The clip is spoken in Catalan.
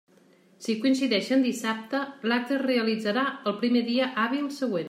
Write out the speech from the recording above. Si coincideix en dissabte, l'acte es realitzarà el primer dia hàbil següent.